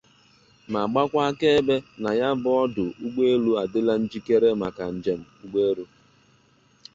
ma gbakwa akaebe na ya bụ ọdụ ụgbụelu adịla njikere maka njem ụgbọelu.